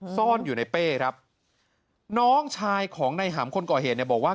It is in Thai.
ซ่อนอยู่ในเป้แบบนี้ครับน้องชายของนายหำคนก่อเหตุบอกว่า